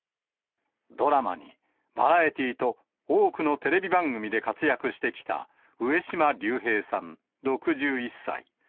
ドラマにバラエティーと、多くのテレビ番組で活躍してきた上島竜兵さん６１歳。